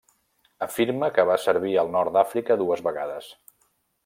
Afirma que va servir al nord d'Àfrica dues vegades.